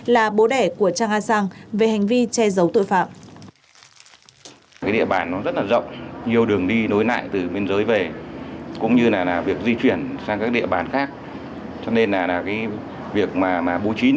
là bố đẻ của trang a giang về hành vi che giấu tội phạm